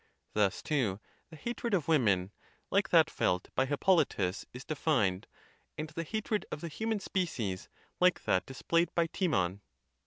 Thus, too, the hatred of women, like that felt by Hippolytus, is defined ; and the hatred of the human species like that displayed by Timon.